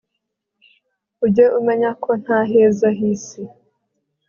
ujye umenya ko nta heza hisi